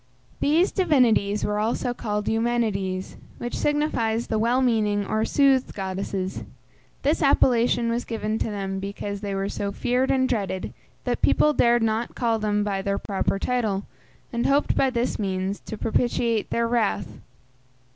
These divinities were also called Eumenides, which signifies the "well meaning" or "soothed goddesses;" This appellation was given to them because they were so feared and dreaded that people dared not call them by their proper title, and hoped by this means to propitiate their wrath.